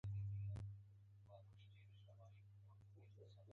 پېغله چې کونډ سړي ته ورکړي-لکه د لم ټوټه چې سپی وتښتوېنه